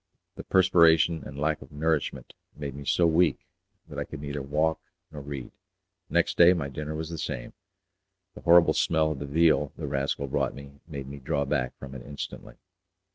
The perspiration and the lack of nourishment made me so weak that I could neither walk nor read. Next day my dinner was the same; the horrible smell of the veal the rascal brought me made me draw back from it instantly.